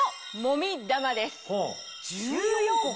１４個！